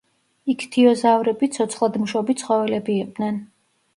იქთიოზავრები ცოცხლადმშობი ცხოველები იყვნენ.